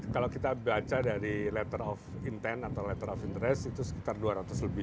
kalau kita baca dari letter of intent atau letter of interest itu sekitar dua ratus lebih